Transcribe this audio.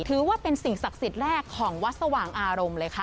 ถือว่าเป็นสิ่งศักดิ์สิทธิ์แรกของวัดสว่างอารมณ์เลยค่ะ